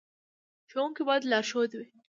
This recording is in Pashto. ښوونکی باید لارښود وي